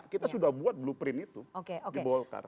kita sudah buat blueprint itu di golkar